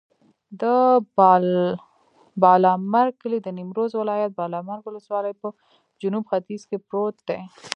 د بالامرګ کلی د نیمروز ولایت، بالامرګ ولسوالي په جنوب ختیځ کې پروت دی.